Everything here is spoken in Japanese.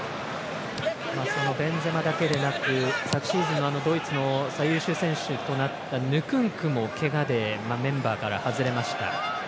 ベンゼマだけじゃなく昨シーズンのドイツの最優秀選手となったヌクンクも、けがでメンバーから外れました。